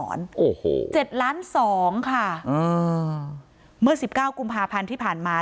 โอ้โหเจ็ดล้านสองค่ะอ่าเมื่อสิบเก้ากุมภาพันธ์ที่ผ่านมา